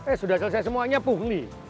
eh sudah selesai semuanya pungli